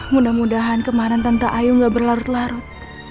mudah mudahan kemana tante ayu gak berlarut larut